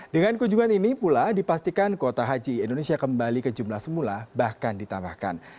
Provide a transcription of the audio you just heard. dengan kunjungan ini pula dipastikan kuota haji indonesia kembali ke jumlah semula bahkan ditambahkan